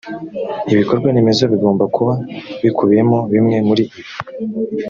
ibikorwaremezo bigomba kuba bikubiyemo bimwe muri ibi